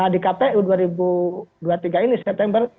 di kpu dua ribu dua puluh tiga ini september